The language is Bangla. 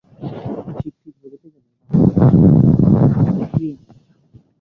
ঠিক ঠিক বলিতে গেলে বাঙলা ভাষায় ক্রিয়া নাই।